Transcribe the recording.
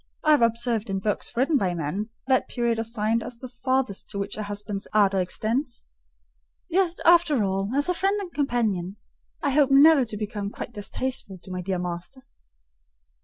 I have observed in books written by men, that period assigned as the farthest to which a husband's ardour extends. Yet, after all, as a friend and companion, I hope never to become quite distasteful to my dear master."